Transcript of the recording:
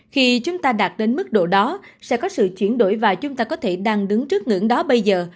khi chúng ta đạt đến mức độ đó sẽ có sự chuyển đổi và chúng ta có thể đang đứng trước ngưỡng đó bây giờ